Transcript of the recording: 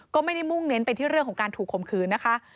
ก็ไม่ได้มุ่งเน้นไปที่เรื่องของการถูกข่มขืนนะคะ